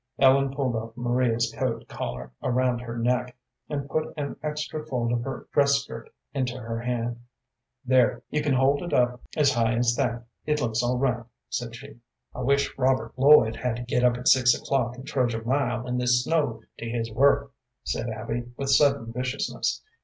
Ellen pulled up Maria's coat collar around her neck and put an extra fold of her dress skirt into her hand. "There, you can hold it up as high as that, it looks all right," said she. "I wish Robert Lloyd had to get up at six o'clock and trudge a mile in this snow to his work," said Abby, with sudden viciousness.